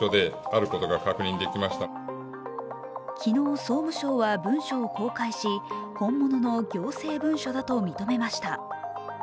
昨日総務省は文書を公開し本物の行政文書だと認めました。